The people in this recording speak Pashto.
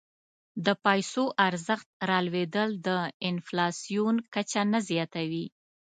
د پیسو ارزښت رالوېدل د انفلاسیون کچه نه زیاتوي.